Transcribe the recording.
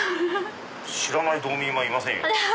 知らない道民はいませんよ。